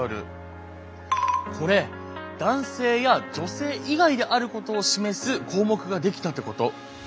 これ男性や女性以外であることを示す項目が出来たってこと。